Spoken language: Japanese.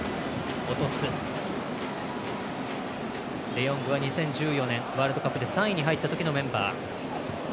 デヨングは２０１４年ワールドカップで３位に入ったときのメンバー。